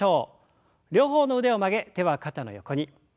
両方の腕を曲げ手は肩の横に。